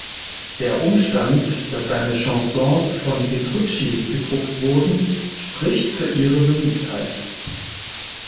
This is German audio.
Der Umstand, dass seine Chansons von Petrucci gedruckt wurden, spricht für ihre Beliebtheit.